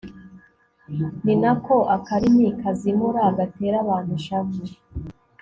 ni na ko akarimi kazimura gatera abantu ishavu